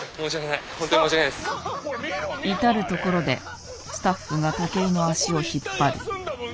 至る所でスタッフが武井の足を引っ張る。